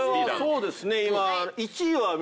そうですね今。